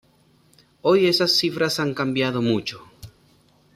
Hoy esas cifras han cambiado mucho.